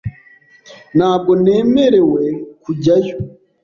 Ntabwo nemerewe kujyayo .